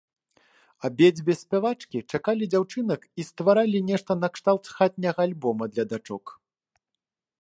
Абедзве спявачкі чакалі дзяўчынак і стваралі нешта накшталт хатняга альбома для дачок.